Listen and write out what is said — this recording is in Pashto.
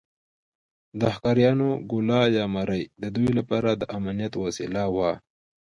د ښکاریانو ګوله یا مړۍ د دوی لپاره د امنیت وسیله وه.